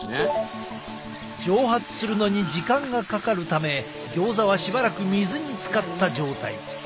蒸発するのに時間がかかるためギョーザはしばらく水につかった状態。